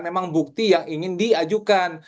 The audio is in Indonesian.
memang bukti yang ingin diajukan